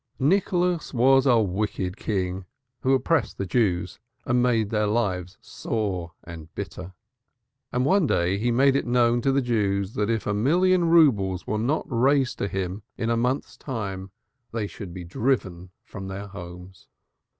"Nicholas, was a wicked king, who oppressed the Jews and made their lives sore and bitter. And one day he made it known to the Jews that if a million roubles were not raised for him in a month's time they should be driven from their homes.